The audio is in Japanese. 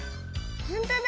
ほんとだ！